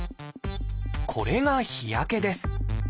これが日焼けです。